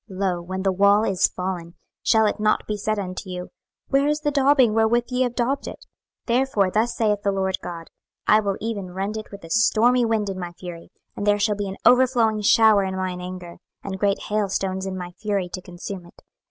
26:013:012 Lo, when the wall is fallen, shall it not be said unto you, Where is the daubing wherewith ye have daubed it? 26:013:013 Therefore thus saith the Lord GOD; I will even rend it with a stormy wind in my fury; and there shall be an overflowing shower in mine anger, and great hailstones in my fury to consume it.